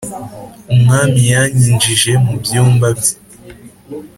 Umwami yanyinjije mu byumba bye.